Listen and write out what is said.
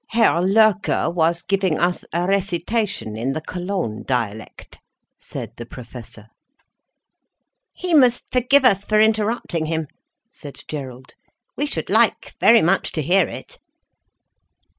"Herr Loerke was giving us a recitation in the Cologne dialect," said the Professor. "He must forgive us for interrupting him," said Gerald, "we should like very much to hear it."